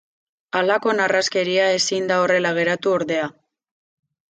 Halako narraskeria ezin da horrela geratu ordea.